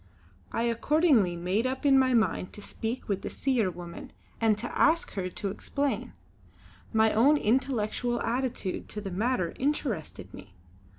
I accordingly made up my mind to speak with the Seer woman and to ask her to explain. My own intellectual attitude to the matter interested me.